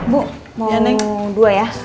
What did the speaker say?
bu mau dua ya